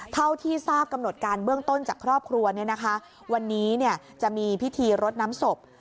เท่าที่ทราบกำหนดการเบื้องต้นจากครอบครัววันนี้จะมีพิธีรดน้ำศพ